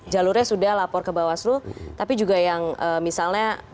jalurnya sudah lapor ke bawaslu tapi juga yang misalnya